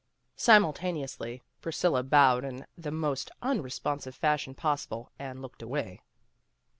Simultaneously Priscilla bowed in the most un responsive fashion possible, and looked away.